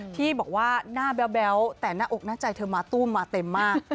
ที่บอกว่าหน้าแบ๊วแต่หน้าอกหน้าใจเธอมาตู้มมาเต็มมาก